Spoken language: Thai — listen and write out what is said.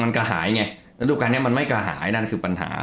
ในกระหายแล้วทุกการพูดถึงเทายอึดเทนนทัก